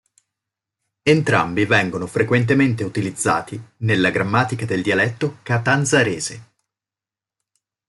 Entrambi vengono frequentemente utilizzati nella grammatica del dialetto catanzarese.